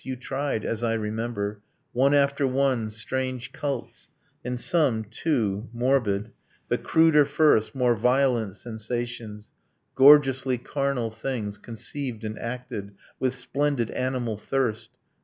. You tried, as I remember, One after one, strange cults, and some, too, morbid, The cruder first, more violent sensations, Gorgeously carnal things, conceived and acted With splendid animal thirst